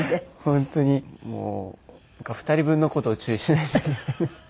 本当にもう２人分の事を注意しないといけない。